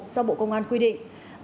do bộ công an quy định